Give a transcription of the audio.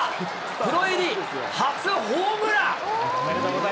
プロ入り初ホームラン。